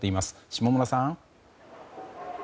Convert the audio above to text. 下村さん。